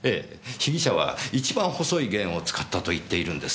被疑者は一番細い弦を使ったと言っているんです。